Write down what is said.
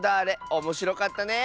おもしろかったね！